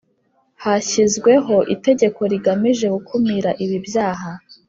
Hashyizweho itegeko rigamije gukumira ibi byaha,